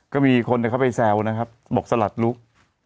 ก็มีคนเข้าไปแซวนะครับบอกสลัดลุก